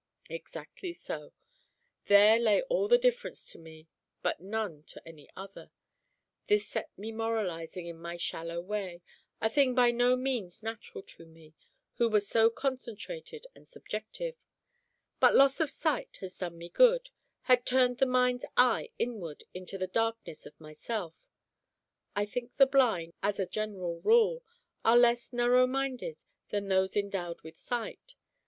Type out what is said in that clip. Exactly so. There lay all the difference to me, but none to any other. This set me moralising in my shallow way, a thing by no means natural to me, who was so concentrated and subjective. But loss of sight had done me good, had turned the mind's eye inward into the darkness of myself. I think the blind, as a general rule, are less narrow minded than those endowed with sight.